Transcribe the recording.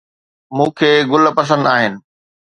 مون کي گل پسند آهن